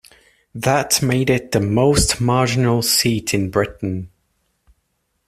That made it the most marginal seat in Britain.